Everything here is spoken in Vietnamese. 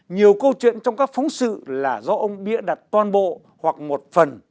nhiều câu chuyện trong các phóng sự là do ông bia đặt toàn bộ hoặc một phần